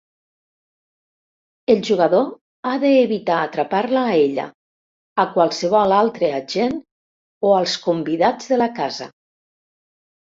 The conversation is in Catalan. El jugador ha d'evitar atrapar-la a ella, a qualsevol altre agent o als convidats de la casa.